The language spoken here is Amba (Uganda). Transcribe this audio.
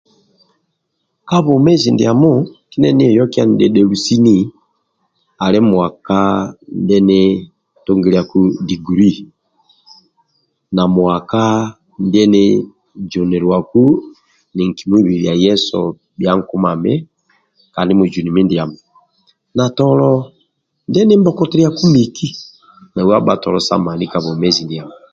Kabwomezi ndiamo ndienioka ninidhedhelu sini ali mwaka ndie nitungiliaku diguli, na mwaka ndie nizuniliaku ninkimwibilia Yesu bhia nkumami Kandi mujuni mindiamo na tolo ndie nimbokotiliaku miki nau abha tolo sa mami ka bwomezi ndiamo